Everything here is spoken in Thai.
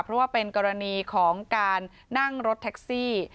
เพราะว่าเป็นกรณีของการนั่งรถแท็กซี่